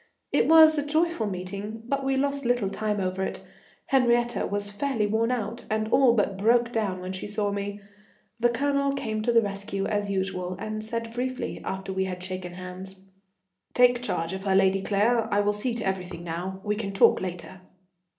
It was a joyful meeting, but we lost little time over it. Henriette was fairly worn out, and all but broke down when she saw me. The Colonel came to the rescue as usual, and said briefly, after we had shaken hands: "Take charge of her, Lady Claire, I will see to everything now. We can talk later."